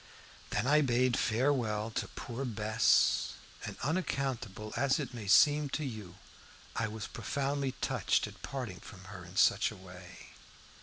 Then I bade farewell to poor Bess, and, unaccountable as it may seem to you, I was profoundly touched at parting from her in such a way.